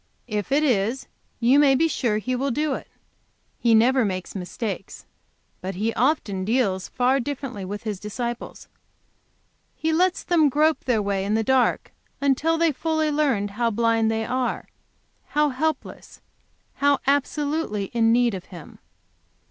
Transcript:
If it is, you may be sure He will do it. He never makes mistakes. But He often deals far differently with His disciples. He lets them grope their way in the dark until they fully learn how blind they are, how helpless, how absolutely in need of Him.